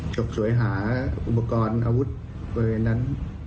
ฉกฉวยหาอุปกรณ์อาวุธบริเวณนั้น